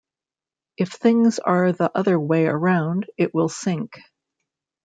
If things are the other way around, it will sink.